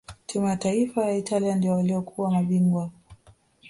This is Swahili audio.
timu ya taifa ya italia ndio waliokuwa mabingwa